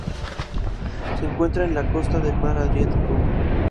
Se encuentra en la costa del Mar Adriático.